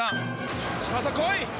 嶋佐こい！